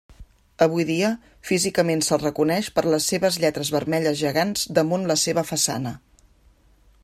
Avui dia, físicament se'l reconeix per les seves lletres vermelles gegants damunt la seva façana.